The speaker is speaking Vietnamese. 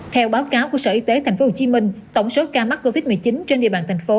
theo báo cáo của sở y tế tp hcm tổng số ca mắc covid một mươi chín trên địa bàn thành phố